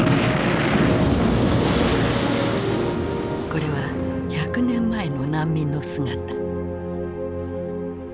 これは１００年前の難民の姿。